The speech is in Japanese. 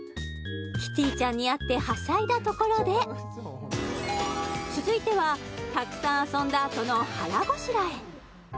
キティちゃんに会ってはしゃいだところで続いてはたくさん遊んだあとの腹ごしらえ